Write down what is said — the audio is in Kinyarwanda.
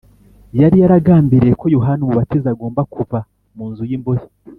yari yaragambiriye ko yohana umubatiza agomba kuva mu nzu y’imbohe